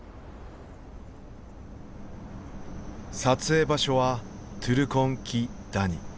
撮影場所はトゥルコン・キ・ダニ。